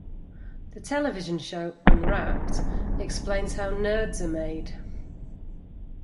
The television show Unwrapped explains how Nerds are made.